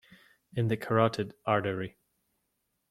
In the carotid artery.